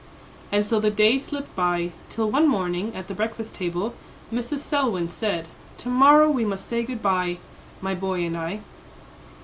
And so the days slipped by, till one morning, at the breakfast table, Mrs. Selwyn said, "Tomorrow we must say good by my boy and I."